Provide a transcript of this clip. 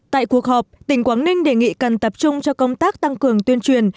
tại cuộc họp tỉnh quảng ninh đề nghị cần tập trung cho công tác tăng cường tuyên truyền